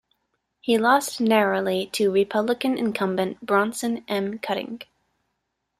He lost narrowly to Republican incumbent Bronson M. Cutting.